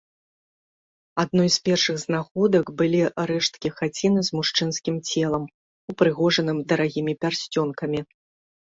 Адной з першых знаходак былі рэшткі хаціны з мужчынскім целам, упрыгожаным дарагімі пярсцёнкамі.